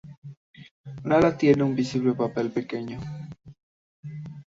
Nala tiene un visible papel pequeño.